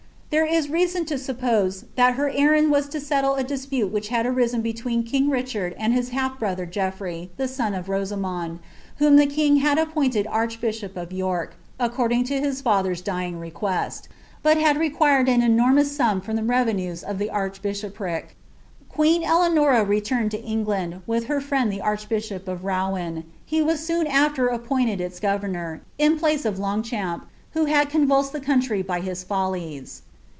There is reason to suppose thai her emnd was lo sellle a dispute which bad arisen between king Richard and hit half brother Geoflrey, the »on of Rosamond, whom the king twl appointed archbishop of York, according lo his & therms dying rei|Uf9i< bul had retiuired an enormous sum from the revennes of llie arrhbisb opiic' Queen Eleanora returned to England,* with her friend the wtii bishop of Rouen ; he was eoon after appointed its governor, in plan of Longchamp, who had convuWd the country by his follies.